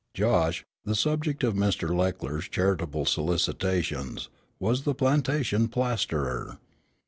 Josh, the subject of Mr. Leckler's charitable solicitations, was the plantation plasterer.